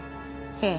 ええ。